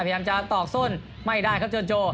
พยายามจะตอกส้นไม่ได้ครับเจินโจ